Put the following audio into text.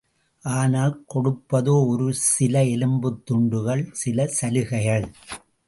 ஆனால், கொடுப்பதோ ஒரு சில எலும்புத் துண்டுகள், சில சலுகைகள்.